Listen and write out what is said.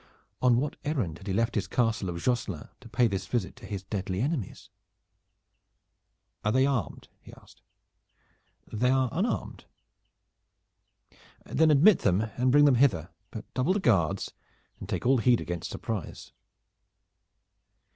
On what errand had he left his castle of Josselin to pay this visit to his deadly enemies? "Are they armed?" he asked. "They are unarmed." "Then admit them and bring them hither, but double the guards and take all heed against surprise."